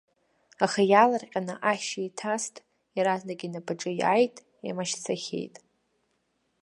Аха иаалырҟьаны ахьшь еиҭаст, иаразнак инапаҿы иааит, имашьцахеит.